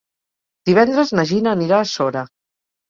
Divendres na Gina anirà a Sora.